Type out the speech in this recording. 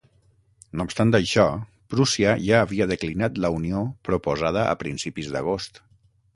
No obstant això, Prússia ja havia declinat la unió proposada a principis d'agost.